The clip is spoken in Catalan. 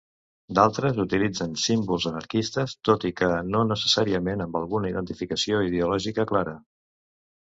D'altres utilitzen símbols anarquistes, tot i que no necessàriament amb alguna identificació ideològica clara.